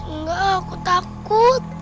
enggak aku takut